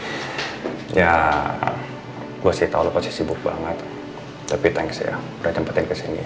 habiskan ya gue sih tahu pasti sibuk banget tapi thanks ya udah jemputin kesini